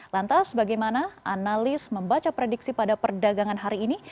lantas bagaimana analis membaca prediksi pada perdagangan hari ini